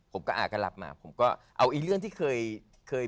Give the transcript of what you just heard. ผมก็ออกกระดับเอาอีเรื่องที่เคย